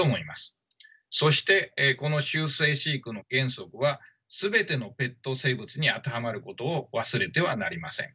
そしてこの終生飼育の原則は全てのペット生物に当てはまることを忘れてはなりません。